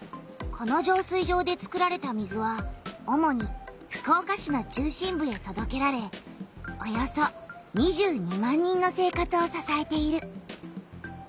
この浄水場で作られた水はおもに福岡市の中心部へとどけられおよそ２２万人の生活をささえている。